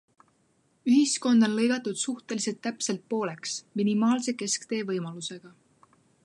Ühiskond on lõigatud suhteliselt täpselt pooleks, minimaalse kesktee võimalusega.